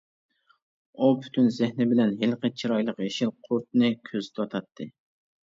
ئۇ پۈتۈن زېھنى بىلەن ھېلىقى چىرايلىق يېشىل قۇرتنى كۆزىتىۋاتاتتى.